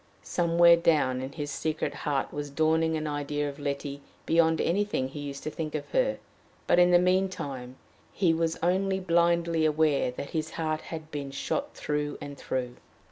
Somewhere down in his secret heart was dawning an idea of Letty beyond anything he used to think of her, but in the mean time he was only blindly aware that his heart had been shot through and through.